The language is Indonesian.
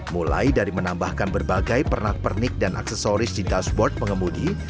mulai dari menambahkan berbagai pernak pernik dan aksesoris di dashboard pengemudi